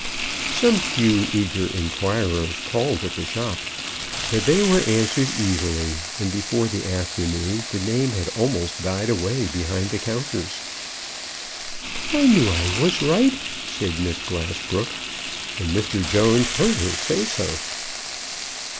Some few eager inquirers called at the shop, but they were answered easily; and before the afternoon the name had almost died away behind the counters. "I knew I was right," said Miss Glassbrook, and Mr. Jones heard her say so.